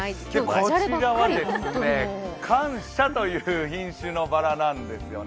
こちらは感謝という品種のバラなんですよね。